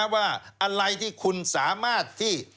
ว่าอะไรที่คุณสามารถที่